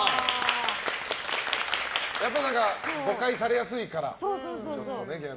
やっぱり誤解されやすいからね。